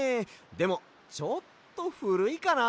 でもちょっとふるいかな。